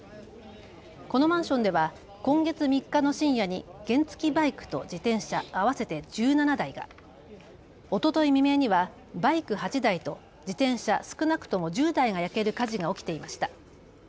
このマンションでは今月３日の深夜に原付きバイクと自転車、合わせて１７台が、おととい未明にはバイク８台と自転車少なくとも１０台が焼ける火事が起きていました。